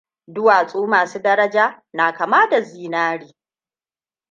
Duwatsu masu daraja na kama da zinari.